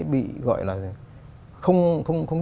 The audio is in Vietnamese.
bị gọi là không